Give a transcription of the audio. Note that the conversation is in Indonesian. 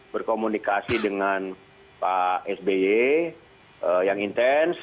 berkomunikasi dengan pak sby yang intens